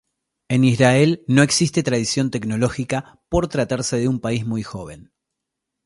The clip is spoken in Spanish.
En Israel no existe tradición tecnológica por tratarse de un país muy joven.